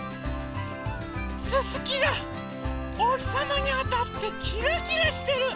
すすきがおひさまにあたってキラキラしてる！